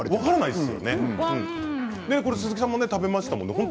鈴木さんも食べましたよね